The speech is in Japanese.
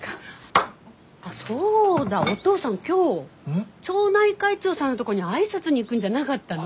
あっそうだおとうさん今日町内会長さんのとこに挨拶に行くんじゃなかったの？